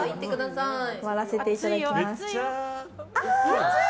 割らせていただきます。